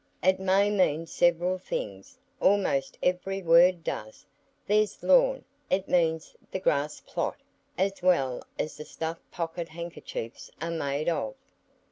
"It may mean several things; almost every word does. There's 'lawn,'—it means the grass plot, as well as the stuff pocket handkerchiefs are made of."